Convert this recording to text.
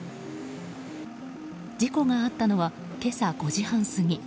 事故があったのは今朝５時半過ぎ。